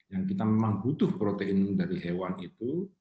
yang kita memang butuh protein dari hewan itu